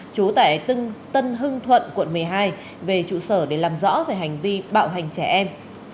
chú tại tân hưng thuận quận một mươi hai về trụ sở để làm rõ về hành vi bạo hành trẻ em